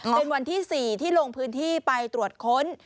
เป็นวันที่๔ที่ลงพื้นที่ไปตรวจค้น